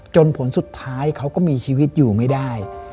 ผลสุดท้ายเขาก็มีชีวิตอยู่ไม่ได้